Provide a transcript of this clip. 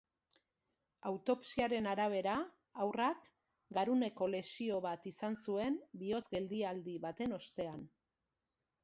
Autopsiaren arabera, haurrak garuneko lesio bat izan zuen, bihotz-geldialdi baten ostean.